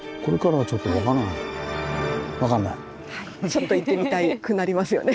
はいちょっと行ってみたくなりますよね。